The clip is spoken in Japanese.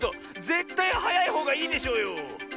ぜったいはやいほうがいいでしょうよ！